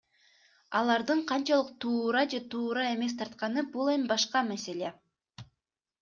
Алардын канчалык туура же туура эмес тартканы бул эми башка маселе.